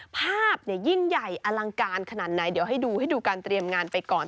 ภาพยิ่งใหญ่อลังการขนาดไหนเดี๋ยวให้ดูให้ดูการเตรียมงานไปก่อน